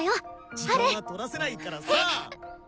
時間は取らせないからさ。